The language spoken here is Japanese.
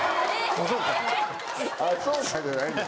「あぁそうか」じゃないんです。